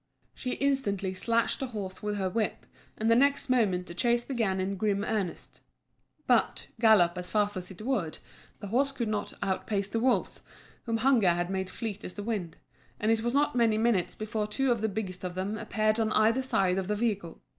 She instantly slashed the horse with her whip, and the next moment the chase began in grim earnest. But, gallop as fast as it would, the horse could not outpace the wolves, whom hunger had made fleet as the wind, and it was not many minutes before two of the biggest of them appeared on either side of the vehicle.